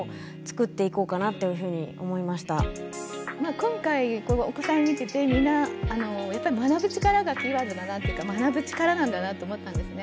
今回こうお子さん見てて皆やっぱり学ぶ力がキーワードだなっていうか学ぶ力なんだなと思ったんですね。